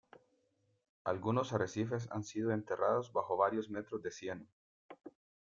Algunos arrecifes han sido enterrados bajo varios metros de cieno.